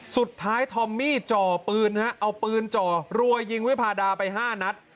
สุดท้ายทอมมี่จ่อปืนฮะเอาปืนจ่อรวยยิงวิภาดาไป๕นัท